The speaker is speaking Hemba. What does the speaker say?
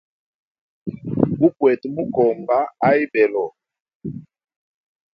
Gukwete mukomba a ibelo.